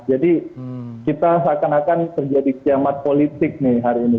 jadi kita akan akan terjadi kiamat politik nih hari ini